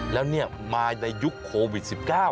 แล้วมาในยุคโควิด๑๙